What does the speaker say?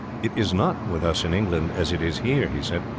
"It is not, with us in England, as it is here," he said.